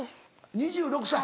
２６歳。